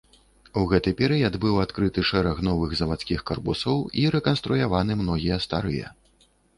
У гэты перыяд быў адкрыты шэраг новых завадскіх карпусоў і рэканструяваны многія старыя.